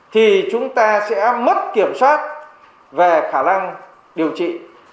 thì chúng ta sẽ mất kiểm soát về khả năng điều trị